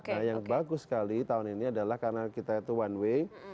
nah yang bagus sekali tahun ini adalah karena kita itu one way